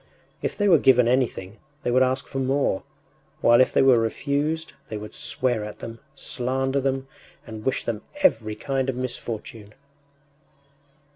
If they were given anything, they would ask for more; while if they were refused, they would swear at them, slander them, and wish them every kind of misfortune.